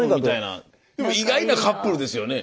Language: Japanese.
でも意外なカップルですよね。